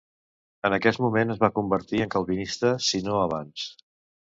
En aquest moment es va convertir en calvinista, si no abans.